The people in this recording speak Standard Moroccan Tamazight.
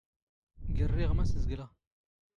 ⴳⵔⵔⵉⵖ ⵎⴰⵙ ⵣⴳⵍⵖ.